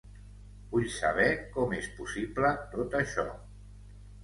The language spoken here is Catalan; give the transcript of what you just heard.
Vull saber com és possible tot això.